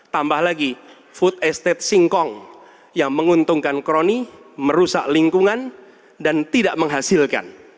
tambah lagi food estate singkong yang menguntungkan kroni merusak lingkungan dan tidak menghasilkan